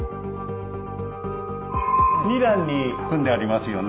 ２段に組んでありますよね？